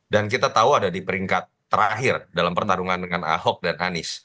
dan kita tahu ada di peringkat terakhir dalam pertarungan dengan ahok dan anies